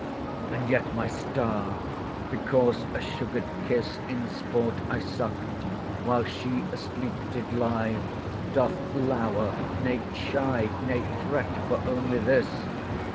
And yet my STAR, because a sugar'd kiss In sport I suck'd, while she asleep did lie, Doth lour, nay chide, nay threat, for only this.